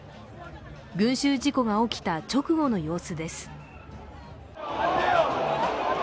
群集事故が起きた直後の様子です。